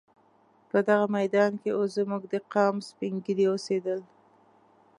په دغه میدان کې اوس زموږ د قام سپین ږیري اوسېدل.